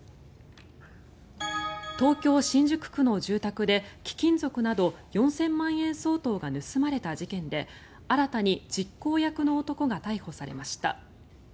東京・新宿区の住宅で貴金属など４０００万円相当が盗まれた事件で新たに実行役の男が逮捕されました。